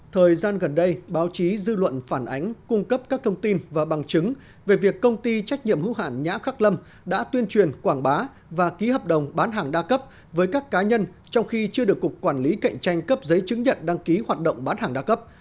thời gian gần đây báo chí dư luận phản ánh cung cấp các thông tin và bằng chứng về việc công ty trách nhiệm hữu hạn nhã khắc lâm đã tuyên truyền quảng bá và ký hợp đồng bán hàng đa cấp với các cá nhân trong khi chưa được cục quản lý cạnh tranh cấp giấy chứng nhận đăng ký hoạt động bán hàng đa cấp